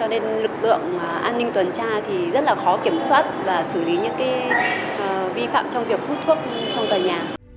cho nên lực lượng an ninh tuần tra thì rất là khó kiểm soát và xử lý những vi phạm trong việc hút thuốc trong tòa nhà